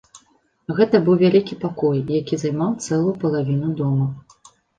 Гэта быў вялікі пакой, які займаў цэлую палавіну дома.